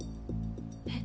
えっ？